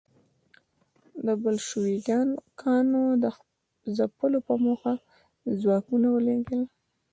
د بلشویکانو د ځپلو په موخه ځواکونه ولېږل.